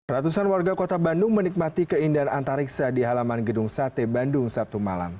ratusan warga kota bandung menikmati keindahan antariksa di halaman gedung sate bandung sabtu malam